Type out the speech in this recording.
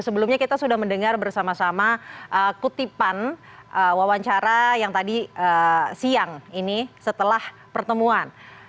sebelumnya kita sudah mendengar bersama sama kutipan wawancara yang tadi siang ini setelah pertemuan